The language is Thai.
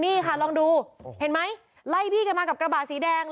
นี่ค่ะลองดูเห็นไหมไล่บี้กันมากับกระบะสีแดง